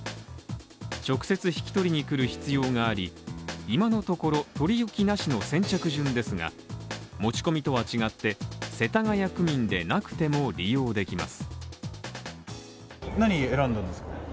直接引き取りに来る必要があり、今のところ取り置きなしの先着順ですが、持ち込みとは違って、世田谷区民でなくても利用できます。